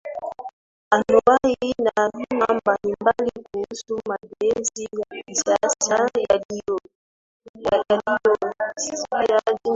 anuwai na aina mbalimbali kuhusu Mageuzi ya kisiasa yaliyoanzishwa nchini Tanzania